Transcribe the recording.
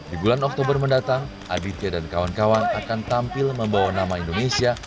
di bulan oktober mendatang aditya dan kawan kawan akan tampil membawa nama indonesia